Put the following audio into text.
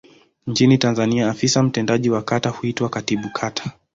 Nchini Tanzania afisa mtendaji wa kata huitwa Katibu Kata.